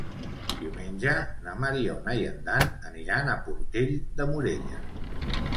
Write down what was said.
Diumenge na Mariona i en Dan aniran a Portell de Morella.